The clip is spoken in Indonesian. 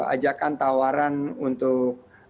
ajakan tawaran untuk